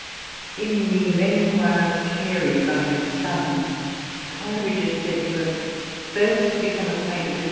In the " Memoir " of Gary by his son, Coleridge is said to have first become acquainted with Gary's * C.